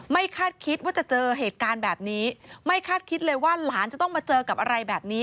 คาดคิดว่าจะเจอเหตุการณ์แบบนี้ไม่คาดคิดเลยว่าหลานจะต้องมาเจอกับอะไรแบบนี้